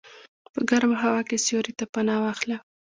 په ګرمه هوا کې سیوري ته پناه واخله.